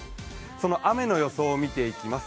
その雨の予想を見ていきます。